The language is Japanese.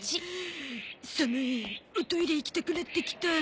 おトイレ行きたくなってきた。